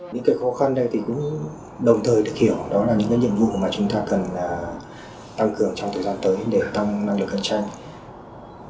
những cái khó khăn đây thì cũng đồng thời được hiểu đó là những cái nhiệm vụ mà chúng ta cần tăng cường trong thời gian tới để tăng năng lực cạnh tranh